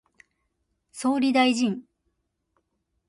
総理大臣